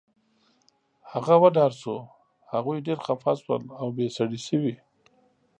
هغه وډار شو، هغوی ډېر خفه شول، اوبې سړې شوې